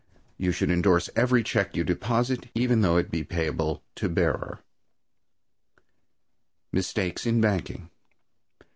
You should indorse every check you deposit, even though it be payable to bearer. Mistakes in Banking.